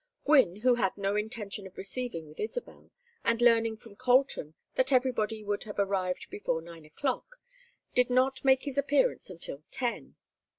Gwynne, who had no intention of receiving with Isabel, and learning from Colton that everybody would have arrived before nine o'clock, did not make his appearance until ten.